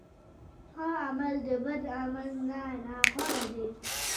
ښه عمل د بد عمل نه غوره دی.